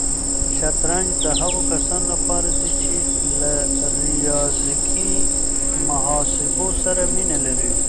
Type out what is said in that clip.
شطرنج د هغو کسانو لپاره دی چې له ریاضیکي محاسبو سره مینه لري.